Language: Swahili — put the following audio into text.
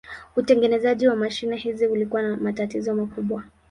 Utengenezaji wa mashine hizi ulikuwa na matatizo makubwa.